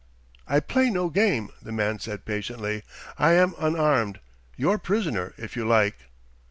"I play no game," the man said patiently. "I am unarmed your prisoner, if you like."